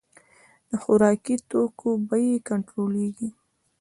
د خوراکي توکو بیې کنټرولیږي